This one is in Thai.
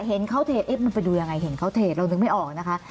เห็นเขาเทปมันไปดูยังไงเห็นเขาเทเรานึกไม่ออกนะคะ